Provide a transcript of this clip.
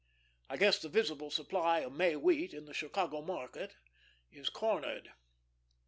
I guess the visible supply of May wheat in the Chicago market is cornered."